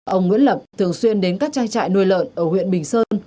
ông nguyễn lập thường xuyên đến các trang trại nuôi lợn ở huyện bình sơn